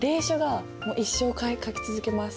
もう一生書き続けます。